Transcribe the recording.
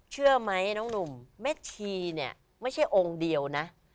เชื่อไหมน้องหนุ่มแม่ชีเนี่ยไม่ใช่องค์เดียวนะ